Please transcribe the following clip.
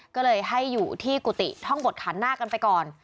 ก็เลยให้อยู่ที่กุฏิท่องบดขันหน้ากันไปก่อน